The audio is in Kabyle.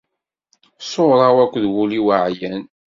Ṣṣura-w akked wul-iw ɛyan.